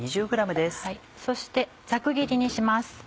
そしてざく切りにします。